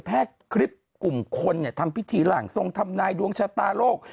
แรกคลิปกลุ่มคนที่ทำพิธีหล่างทรงค์ทำนายดีองชตาโลก